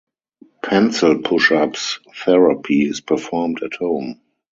Pencil push-ups therapy is performed at home.